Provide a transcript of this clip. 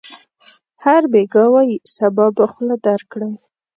هر بېګا وايي: صبا به خوله درکړم.